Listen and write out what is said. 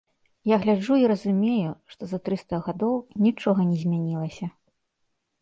Я гляджу і разумею, што за трыста гадоў нічога не змянілася.